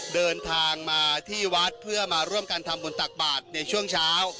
เดินทางมาที่วัดเพื่อมาร่วมกันทำบุญตักบาทในช่วงเช้า